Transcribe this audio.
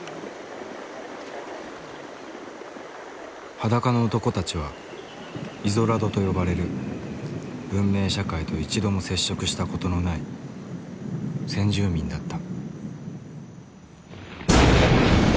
裸の男たちはイゾラドと呼ばれる文明社会と一度も接触した事のない先住民だった。